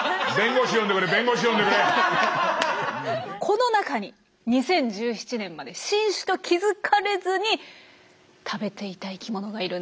この中に２０１７年まで新種と気付かれずに食べていた生きものがいるんです。